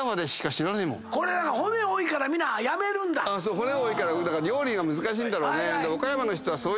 骨多いから料理が難しいんだろうね。